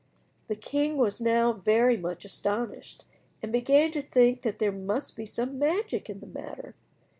The king was now very much astonished, and began to think that there must be some magic in the matter.